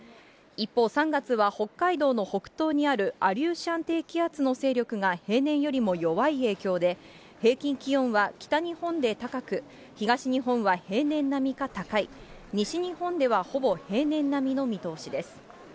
一方、３月は北海道の北東にある、アリューシャン低気圧の勢力が平年よりも弱い影響で、平均気温は北日本で高く、東日本は平年並みか高い、西日本ではほぼ平年並みの見通しです。